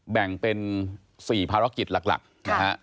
แบ่งเป็น๔ภารกิจหลักนะฮะ